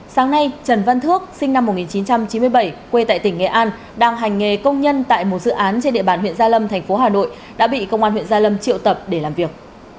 sáng nay trần văn thước sinh năm một nghìn chín trăm chín mươi bảy quê tại tỉnh nghệ an đang hành nghề công nhân tại một dự án trên địa bàn huyện gia lâm thành phố hà nội đã bị công an huyện gia lâm triệu tập để làm việc